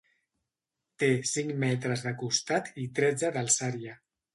Té cinc metres de costat i tretze d'alçària.